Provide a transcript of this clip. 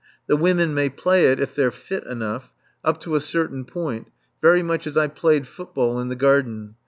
The women may play it if they're fit enough, up to a certain point, very much as I played football in the garden.